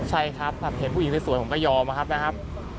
ใช่ครับแบบเห็นผู้หญิงที่สวยผมก็ยอมนะครับ